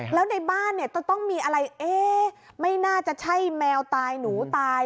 แล้วในบ้านต้องมีอะไรไม่น่าจะใช่แมวตายหนูตาย